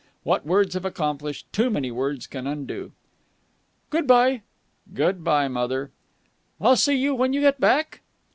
What words have accomplished, too many words can undo. "Good bye." "Good bye, mother." "I'll see you when you get back?"